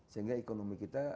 sehingga ekonomi kita